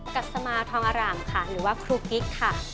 ัสมาทองอร่ามค่ะหรือว่าครูกิ๊กค่ะ